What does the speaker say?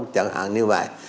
chẳng hạn như vậy